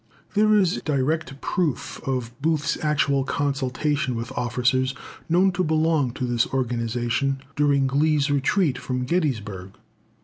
'" There is direct proof of Booth's actual consultation with officers known to belong to this organisation, during Lee's retreat from Gettysburg.